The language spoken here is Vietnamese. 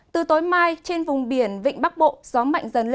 từ tối mai trên vùng biển vịnh bắc bộ gió mạnh dần lên